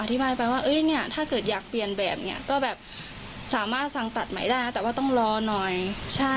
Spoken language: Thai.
แต่ว่าเขาอยู่ข้างนอกไง